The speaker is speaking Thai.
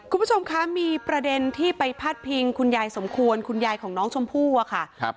คุณผู้ชมคะมีประเด็นที่ไปพาดพิงคุณยายสมควรคุณยายของน้องชมพู่อะค่ะครับ